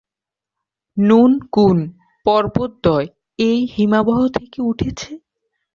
নুন কুন পর্বতদ্বয় এই হিমবাহ থেকে উঠেছে।